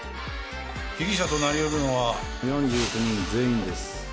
被疑者となり得るのはこの４９人全員です。